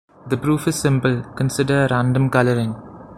The proof is simple: Consider a random coloring.